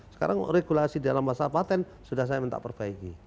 sekarang regulasi dalam masa patent sudah saya minta perbaiki